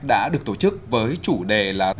đã được tổ chức với chủ đề là